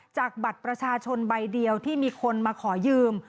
จากบัตรประชาชนใบเดียวที่มีคนมาขอยืม